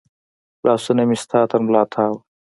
لاسونه مې ستا تر ملا تاو و